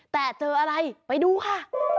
แต่เจออะไรไปดูค่ะ